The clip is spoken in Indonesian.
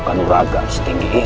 kanur agama setinggi itu